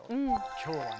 今日はね